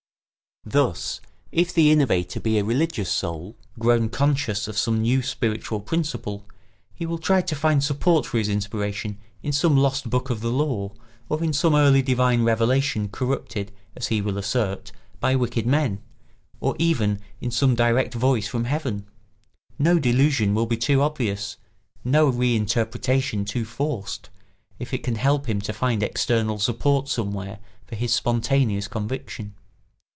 Thus, if the innovator be a religious soul, grown conscious of some new spiritual principle, he will try to find support for his inspiration in some lost book of the law or in some early divine revelation corrupted, as he will assert, by wicked men, or even in some direct voice from heaven; no delusion will be too obvious, no re interpretation too forced, if it can help him to find external support somewhere for his spontaneous conviction.